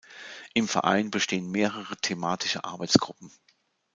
Im Verein bestehen mehrere thematische Arbeitsgruppen.